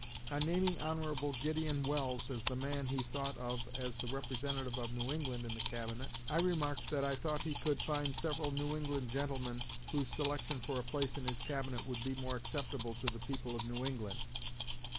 On naming Hon. Gideon Welles as the man he thought of as the representative of New England in the Cabinet, I remarked that I thought he could find several New England gentlemen whose selection for a place in his Cabinet would be more acceptable to the people of New England.